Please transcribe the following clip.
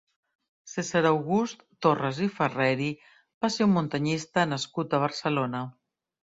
Cèsar August Torras i Ferreri va ser un muntanyista nascut a Barcelona.